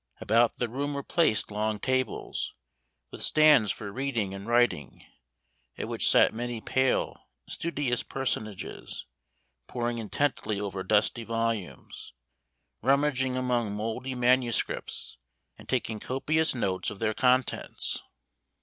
About the room were placed long tables, with stands for reading and writing, at which sat many pale, studious personages, poring intently over dusty volumes, rummaging among mouldy manuscripts, and taking copious notes of their contents.